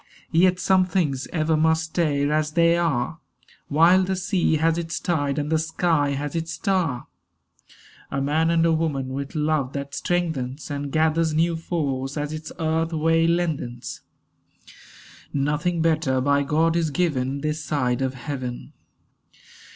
Yet some things ever must stay as they are While the sea has its tide and the sky has its star. A man and a woman with love that strengthens And gathers new force as its earth way lengthens; Nothing better by God is given This side of heaven.